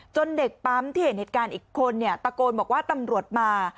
เด็กปั๊มที่เห็นเหตุการณ์อีกคนตะโกนบอกว่าตำรวจมา